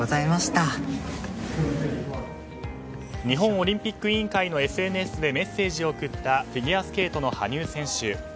日本オリンピック委員会のＳＮＳでメッセージを送ったフィギュアスケートの羽生選手。